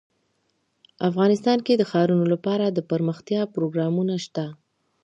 افغانستان کې د ښارونه لپاره دپرمختیا پروګرامونه شته.